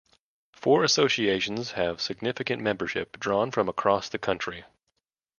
Four associations have significant membership drawn from across the country.